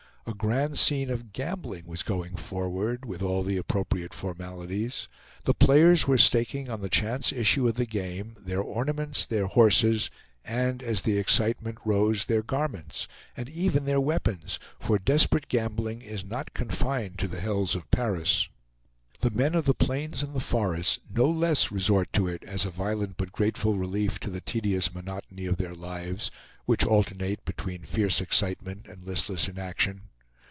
A grand scene of gambling was going forward with all the appropriate formalities. The players were staking on the chance issue of the game their ornaments, their horses, and as the excitement rose, their garments, and even their weapons, for desperate gambling is not confined to the hells of Paris. The men of the plains and the forests no less resort to it as a violent but grateful relief to the tedious monotony of their lives, which alternate between fierce excitement and listless inaction.